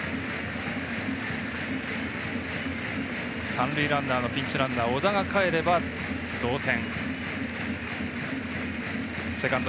三塁ランナーのピンチランナー小田がかえれば同点。